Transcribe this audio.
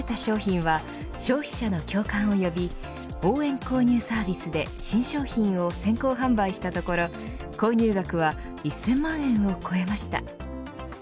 こうして作られた商品は消費者の共感を呼び応援購入サービスで新商品を先行販売したところ購入額は１０００万円を超えました。